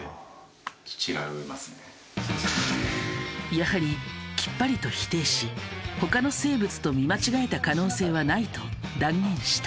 やはりきっぱりと否定しほかの生物と見間違えた可能性はないと断言した。